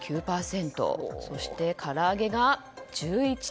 そして、から揚げが１１．１１％。